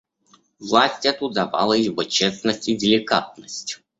Власть эту давала его честность и деликатность.